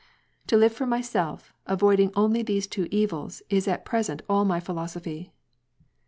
* To live for myself, avoiding only the«e two evils, is at present all my philosophy."